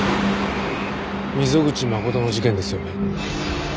溝口誠の事件ですよね？